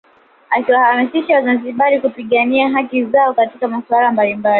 Akiwahamasisha wazanzibari kupigania haki zao katika masuala mbalimbali